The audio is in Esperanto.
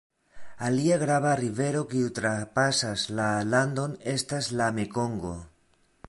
Alia grava rivero kiu trapasas la landon estas la Mekongo.